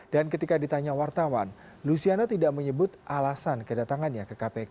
dan ketika ditanya wartawan luciana tidak menyebut alasan kedatangannya ke kpk